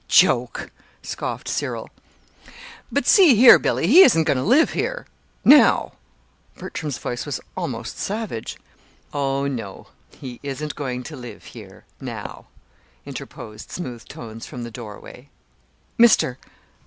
"Joke!" scoffed Cyril. "But, see here, Billy, he isn't going to live here now?" Bertram's voice was almost savage. "Oh, no, he isn't going to live here now," interposed smooth tones from the doorway. "Mr.